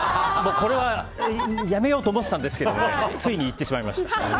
これはやめようと思ってたんですけどついにいってしまいました。